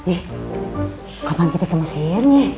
ih kapan kita ke mesir nih